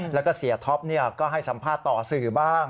แล้วก็เสียท็อปก็ให้สัมภาษณ์ต่อสื่อบ้าง